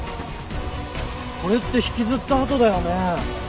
これって引きずった跡だよね。